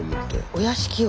お屋敷を。